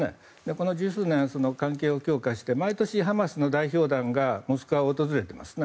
この十数年、関係を強化して毎年ハマスの代表団がモスクワを訪れています。